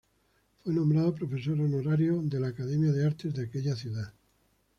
Fue nombrado profesor honorario de la Academia de Artes de aquella ciudad.